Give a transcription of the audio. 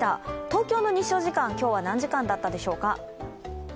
東京の日照時間、今日は何時間だったでしょうか？